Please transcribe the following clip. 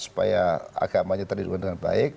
supaya agamanya terdirikan dengan baik